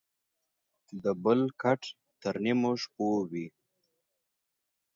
دبل کټ تر نيمو شپو وى.